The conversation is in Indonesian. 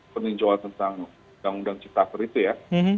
peninjauan tentang undang undang cipta perpu itu ya